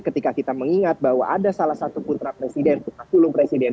jadi ketika kita mengingat bahwa ada salah satu putra presiden putra kulung presiden